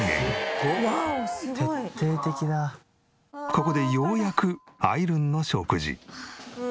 ここでようやくあいるんの食事。